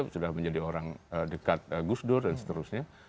sudah menjadi orang dekat gusdur dan seterusnya